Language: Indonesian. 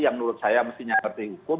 yang menurut saya mestinya ngerti hukum